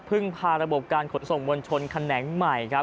พึ่งพาระบบการขนส่งวนชนคันแหน่งใหม่ครับ